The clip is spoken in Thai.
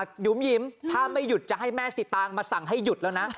หยุ่มหิมถ้าไม่หยุดจะให้แม่สิตางมาสั่งให้หยุดแล้วนะ